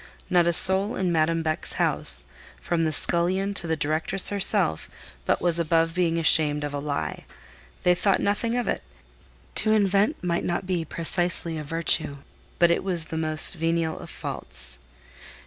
Not a soul in Madame Beck's house, from the scullion to the directress herself, but was above being ashamed of a lie; they thought nothing of it: to invent might not be precisely a virtue, but it was the most venial of faults.